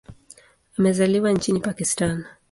Amezaliwa nchini Pakistan.